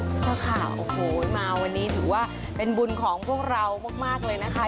เจ้าค่ะโอ้โหมาวันนี้ถือว่าเป็นบุญของพวกเรามากเลยนะคะ